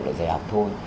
để dạy học thôi